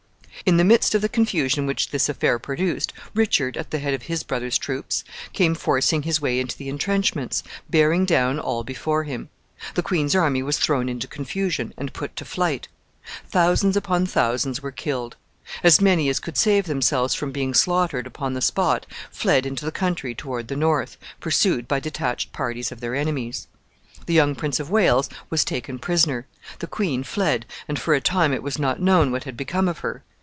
In the midst of the confusion which this affair produced, Richard, at the head of his brother's troops, came forcing his way into the intrenchments, bearing down all before him. The queen's army was thrown into confusion, and put to flight. Thousands upon thousands were killed. As many as could save themselves from being slaughtered upon the spot fled into the country toward the north, pursued by detached parties of their enemies. The young Prince of Wales was taken prisoner. The queen fled, and for a time it was not known what had become of her.